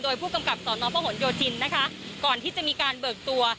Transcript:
โดยผู้กำกับสนพหนโยธินนะคะก่อนที่จะมีการเบิกตัว